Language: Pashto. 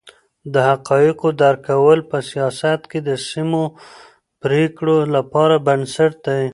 د حقایقو درک کول په سیاست کې د سمو پرېکړو لپاره بنسټ دی.